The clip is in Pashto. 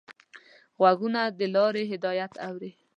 غوږونه د لارې هدایت اوري